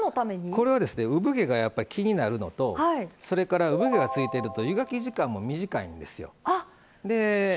これはうぶ毛が気になるのとそれから、うぶ毛がついてると湯がき時間も短いんですよ。